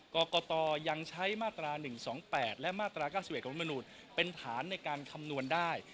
กรกตยังใช้มาตรา๑๒๘และมาตรา๙๑ของรัฐมนุนเป็นฐานในการคำนวณได้